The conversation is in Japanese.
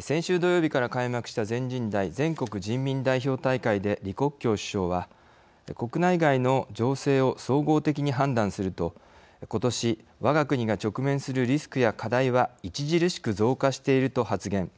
先週土曜日から開幕した全人代＝全国人民代表大会で李克強首相は「国内外の情勢を総合的に判断するとことし、我が国が直面するリスクや課題は著しく増加している」と発言。